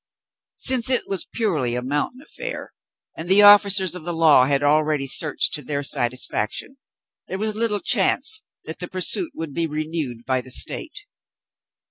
Since it was purely a mountain affair, and the officers of the law had already searched to their satisfaction, there was little chance that the pursuit would be renewed by the State.